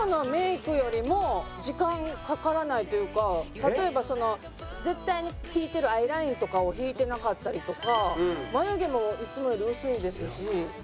例えばその絶対に引いてるアイラインとかを引いてなかったりとか眉毛もいつもより薄いですし。